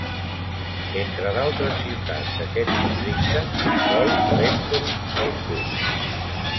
Entre d'altres ciutats d'aquest districte s'inclou Leskovik al sud.